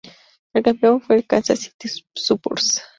El campeón fue el Kansas City Spurs.